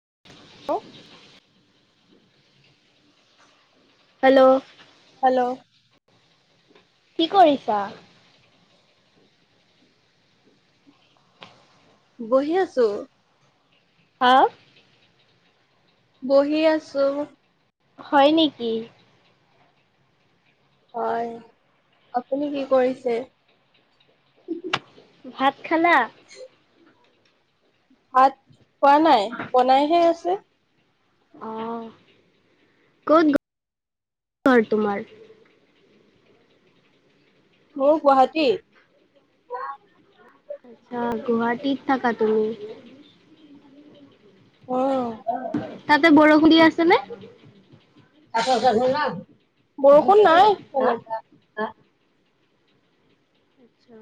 [inaudible] Hello. Hello. কি কৰিছা? বহি আছোঁ। হা? বহি আছোঁ। হয় নেকি? হয়। আপুনি কি কৰিছে? ভাত খালা? ভাত খোৱা নাই, বনাইহে আছে। অ' ক'ত ঘৰ তোমাৰ? মোৰ গুৱাহাটী আচছা গুৱাহাটীত থাকা তুমি? অ তাতে বৰষুণ দি আছে নে আচ ন বৰষুণ নাই, অ! আচ্ছা,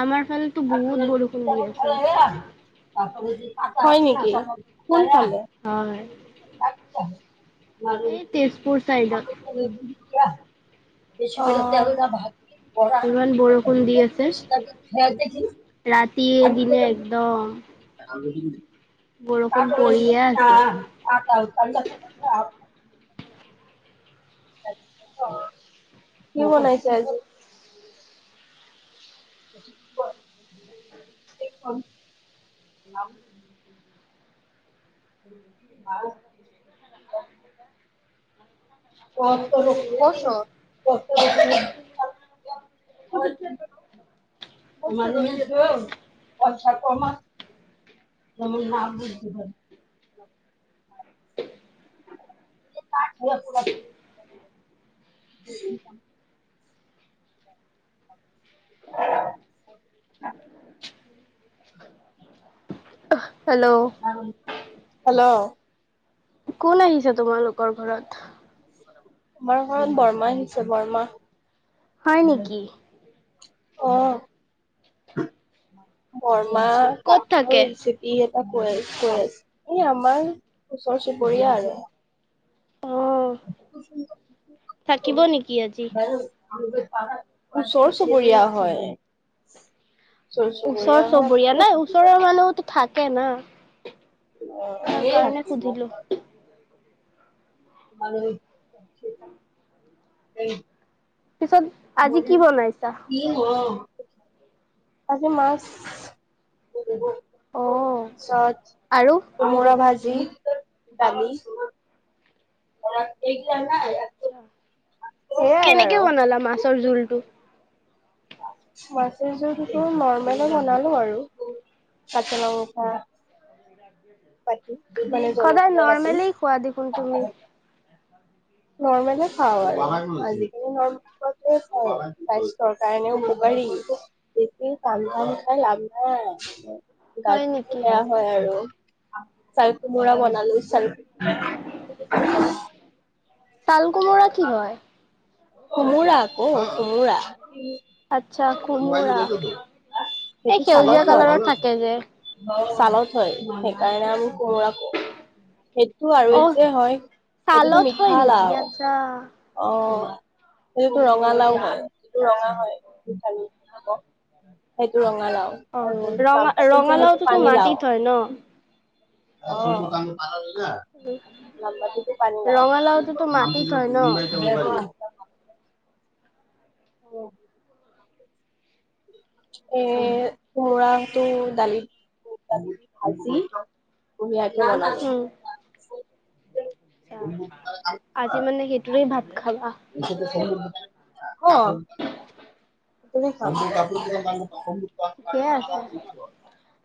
আৰ খালো বহুত বৰষুণ দি আছে। হয় নেকি কোনফ হয় উ এই তেজপুৰ ব চাইডত ত ভ ধমান বৰষুণ দিিয় আছে ৰা তিয় দিনে একদম আৰু ক বৰষুণ পৰিয়ে আছে। ন আ কি বনাইছে আজ খন [inaudible] ক ৰ ফচৰ পইচা কম যে নাম অ হেল্ল' হলা কোন আহিছা তোমালোকৰ ঘৰত আমাৰ ঘৰত বৰমা আহিছে বৰমা হয় নেকি অ বৰ মা কাঠৰ ৰেচিপি ক'ত থাকে? কৈছ কৈছ এই আমাৰ ওচৰ চুবুৰীয়া আৰু আহ থাকিব নেকি আজি ওচৰ চুবুৰীয়া হয় ওচৰ চুবুৰীয়া নাই ওচৰৰ মানুহ থাকে না তাৰ কাৰণে অ সুধিলো। [unintelligible] ত পিছত আজি কি বনাইছা আজি মাছ অ' পিছত আৰু কোমোৰা ভাজি জ দালি এক গ কেনেকে আৰু বনালা মাছৰ জোলটো মাছ জোৰটো নৰ্মেল বনালো আৰু কাট লংকা পাতি সদায় নৰ্মেলি খোৱা দেখোন তুমি নৰ্মলে খাওঁ আৰু আজিকালি নৰ্মেল খোৱাে খাৰ কাৰণে উপকাৰী বেছি কাম ধাম খাই লাভ নাই হয় গাটোতো নেকি? বেয়া হয় আৰু চাল কোমোৰা বনালো চালৰা চাল কোমোৰা কি হয়? কোমোৰা আকৌ কোমোৰা, আচ্ছা কোমোৰা এই সেইটো সেউজীয়া চালত কালাৰৰ হয়। থাকে যে চালাক হয়, সেইকাৰণে আমি [unintelligible] ‌ সেইটো আৰু এ অ' যে হয়, সেইটোতো ছালত হয় নেকি মিঠালাও। আচ্ছা। অ' সেইটো ৰঙালাও হয়, যিটো ৰঙা হয়। সেইটো ৰঙা অ' ৰঙা, ৰঙালাওটোতো পানী লাও মাটিত হয় ন? [inaudible] ৰঙালাওটোতো মাটিত হয় ন? [inaudible] অ'। এ কোমোৰাটো দালিত ভাজি উম। [unintelligible] [inaudible] [inaudible] আজি মানে সেইটোৰে ভাত খালা? [inaudible] [inaudible] চানদে' ঠিকে আছে। বুলি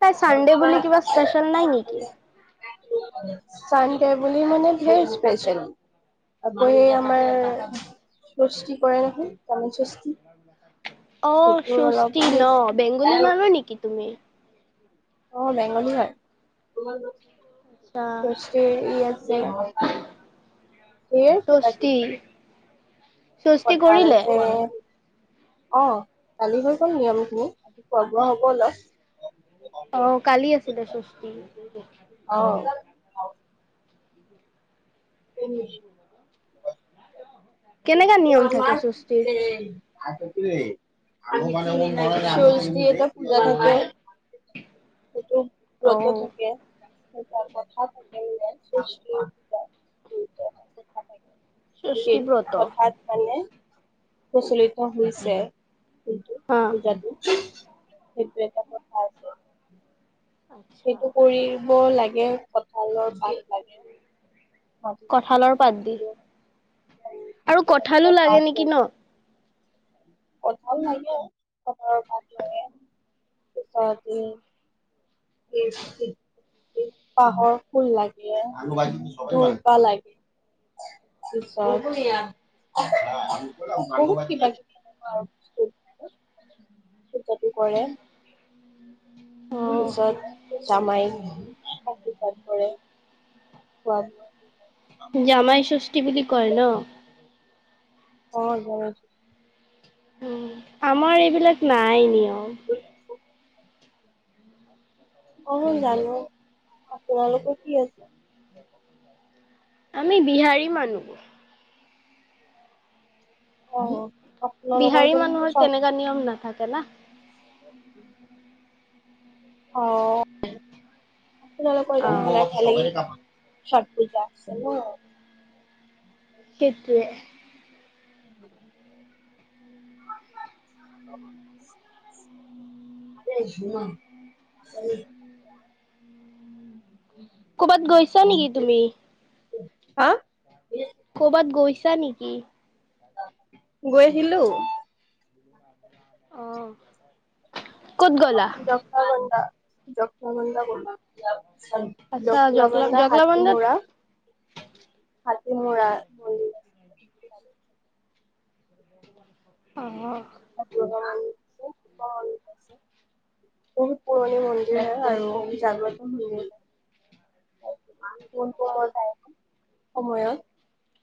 তাই চানডে বুলি কিবা স্পেচিয়েল ঢেৰ নাই নেকি? স্পেচিয়েল। আকৌ আমাৰ ষষ্ঠি কৰে নহয়, জামাই ষষ্ঠি। অ', ষুষ্ঠী ন, আছে বেংগলী মানুহ নেকি তুমি? অ', বেংগলী হয়। আচ্ছা ষষ্ঠী ই আছে, ঢেৰ ষষ্ঠী কিবাকিবি ষষ্ঠী কঠাল কৰিলে? আছে অ' কালি হৈ গল নিয়মখিনি আজি খোৱা বোৱা হ'ব অলপ আহ কালি আছিলে ষষ্ঠী আৰু উম কেনেকা নিয়ম থাকে স্বস্তিৰ আ এ পূজা কৰি ব্ৰত অ' থাকে কথা থাকে নে স ষষ্ঠী ব্ৰত কঠ পান প্ৰচলিত হৈছে। কিটো হা বজ দি সেইটো এটা কথা আছে। আচ্ছা। সেইটো কৰিব লাগে। কথালৰ ভাল কঠালৰ পাত দি আৰু কঠালো লাগে নেকি ন কথাও লাগে খবৰৰ ভৰে। চাদী পাহৰ ফুল লাগে দলপা লাগে তাৰছত বহুত কিবা কিবি নেকুৱা আৰু পূজাটো কৰে। অ' পিছত জামাই আশীৰ্বাদ কৰে খোৱা বোৱা জামাই ষষ্ঠী বুলি কয় ন! অ ব আমাৰ এইবিলাক নাই নিয়ম অ জানো আপোনালোকৰ কি আছে? আমি বিহাৰী মানুহ অ! আপোনালোকৰ বিহাৰী জানো মানুহৰ চত তেনেকাা নিয়ম নাথাকে! কে উম! অ আপ ক অ', ঠ পূজা আছে ন কেতিয়া [inaudible] উ! কৰ'বাত গৈছা নেকি তুমি? হা! কৰ'বাত গৈছা নেকি? গৈছিলো। অ' ক'ত গ'লা? দখৰা কডা যক্ষা ব আচ্ছা জকলা লখলাবন্ধা হাতী ম জকলাবন্ধাত হাতী মুৰা মৰি অ' দুৰ্গা ম আছে শিৱ মন্দ আছে বহুত পুৰণি মন্দিৰ হয় আৰু জাগ্ৰত মন্দিৰ নাই মানন আচ্ছা। কতাই সময়ত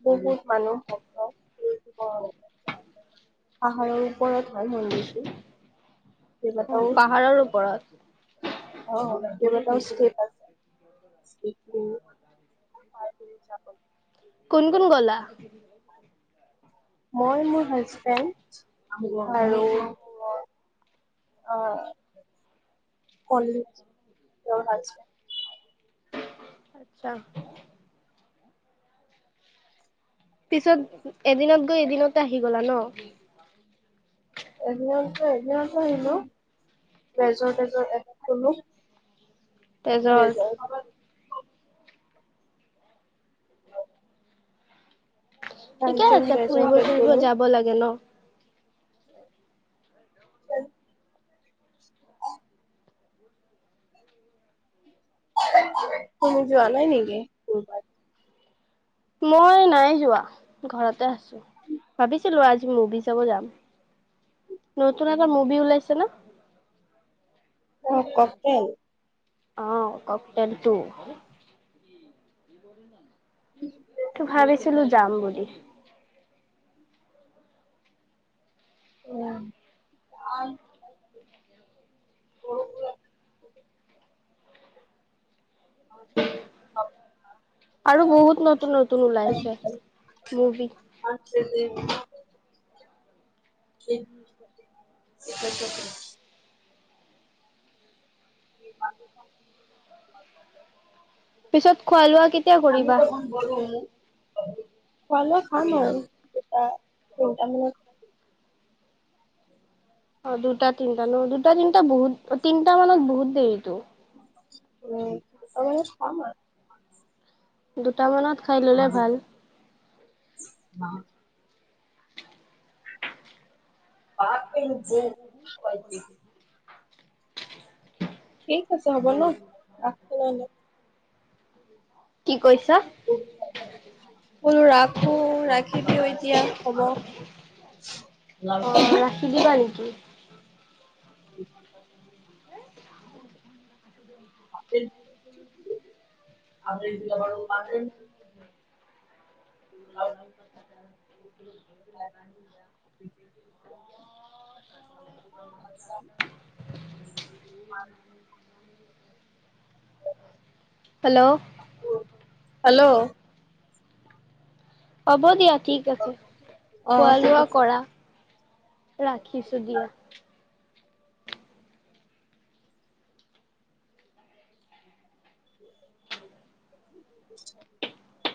বহুত মানুহ ভক্তৱলৈ যায় পাহাৰৰ ওপৰত হয় মন্দিৰটো অ' পাহাৰৰ ওপৰত উ অ' মটাও চে আছোব কোন কোন গ'লা? মই, মোৰ হাজবেণ্ড আৰু অ ল ভছিল আচ্ছা পিছত এদিনত গৈ এদিনতে আহি গলা ন এ এিয়ো আহিলো লজৰ তেজৰ এো উজ তেজত িকে কাঞ্চন আছে ফুৰিব লেজৰটোত চুৰিব গলো যাব লাগে ন [unintelligible] তমি যোৱা নাই নেকি কবাত মই নাই যোৱা ঘৰতে আছো ভাবিছিলো আজি মুভি চাব যাম নতুন এটা মুভি ওলাইছে না অ কক অ' ককটেল তু। উম ত ভাবিছিলো যাম বুলিি উম [unintelligible] আৰু বহুত নতুন নতুন ওলাইছে মুভি ই চফাইতে পিছত খোৱা লোৱা কেতিয়া কৰিবা? খোৱা লোৱা খাম আৰু দুটা তিনিটা মানত৷ অ দুটা তিনটা ন দুটা তিনিটা বহুত তিনটা মানত বহুত দেৰিতো? উম [unintelligible] দুট মানত খাই ল'লে ভাল। অ', [unintelligible] [unintelligible] কি? হ'ব ন' [unintelligible] কি? কৈছা? বোলো ৰাখো, ৰাখিবি এতিয়া হ'ব। উম, [unintelligible] [inaudible] [inaudible] হেল্ল' হেল্ল' অ'ব দিয়া ঠিক আছে অ খোৱা ঠিক লোৱা আছে কৰা৷ ৰাখিছো দিয়া৷ [unintelligible]